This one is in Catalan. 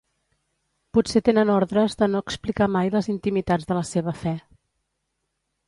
Potser tenen ordres de no explicar mai les intimitats de la seva fe.